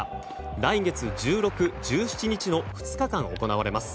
来月１６、１７日の２日間行われます。